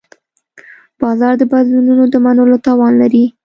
بازار د بدلونونو د منلو توان لري.